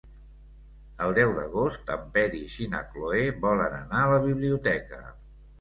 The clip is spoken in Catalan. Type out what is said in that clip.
El deu d'agost en Peris i na Cloè volen anar a la biblioteca.